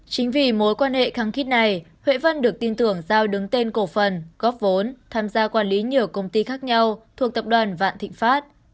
chính vì mối quan hệ kháng khít này huệ vân được tin tưởng giao đứng tên cổ phần góp vốn tham gia quản lý nhiều công ty khác nhau thuộc tập đoàn vạn thịnh pháp